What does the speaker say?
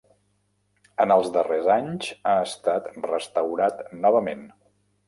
En els darrers anys ha estat restaurat novament.